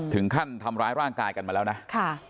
ถึงขั้นทำร้ายร่างกายกันมาแล้วนะค่ะ